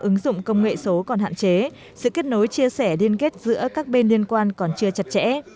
ứng dụng công nghệ số còn hạn chế sự kết nối chia sẻ điên kết giữa các bên liên quan còn chưa chặt chẽ